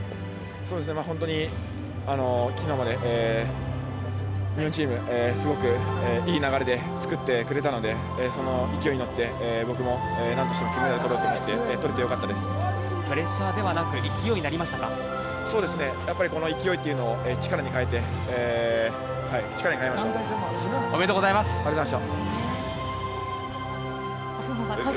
そうですね、本当にきのうまで、日本チーム、すごくいい流れで作ってくれたので、その勢いに乗って、僕もなんとしても金メダルとろうと思って、プレッシャーではなく、そうですね、やっぱりこの勢いというのを力に変えて、おめでとうございます。